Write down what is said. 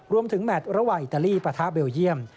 แมทระหว่างอิตาลีปะทะเบลเยี่ยม